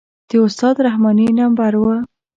د استاد رحماني نمبر و.